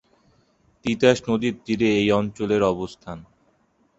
তিতাস নদীর তীরে এই অঞ্চলের অবস্থান।